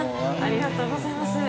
◆ありがとうございます。